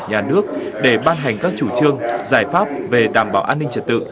nhà nước để ban hành các chủ trương giải pháp về đảm bảo an ninh trật tự